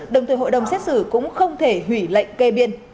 đồng thời hội đồng xét xử cũng không thể hủy lệnh kê biên